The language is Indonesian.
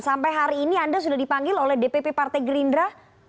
sampai hari ini anda sudah dipanggil oleh dpp partai gerindra